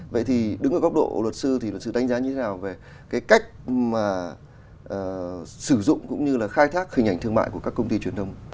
vậy thì đứng ở góc độ luật sư thì luật sư đánh giá như thế nào về cái cách mà sử dụng cũng như là khai thác hình ảnh thương mại của các công ty truyền thông